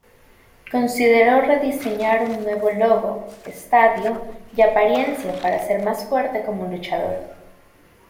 Consideró rediseñar un nuevo logo, estadio y apariencia para ser más fuerte como luchador.